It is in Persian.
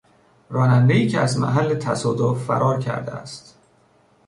رانندهای که از محل تصادف فرار کرده است.